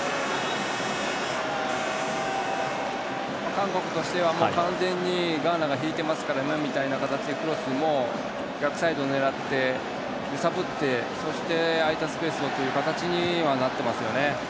韓国としてはもう完全にガーナが引いてますから今みたいな形でクロスも逆サイドを狙って揺さぶって空いたスペースをという形にはなっていますよね。